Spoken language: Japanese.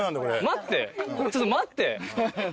待ってちょっと待って。